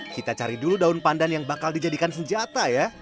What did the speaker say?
kita cari dulu daun pandan yang bakal dijadikan senjata ya